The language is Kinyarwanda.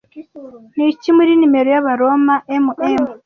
Niki muri Numero y'Abaroma MM